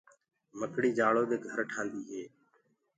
مڪڙيٚ ڃآرو دي گھر تيآر ڪردي هي۔